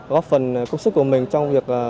góp phần công sức của mình trong việc